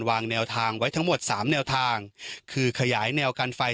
วางแนวทางไว้ทั้งหมดสามแนวทางคือขยายแนวกันไฟ